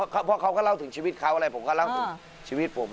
เพราะเขาก็เล่าถึงชีวิตเขาอะไรผมก็เล่าถึงชีวิตผม